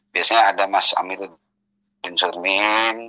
biasanya ada mas amiruddin surmian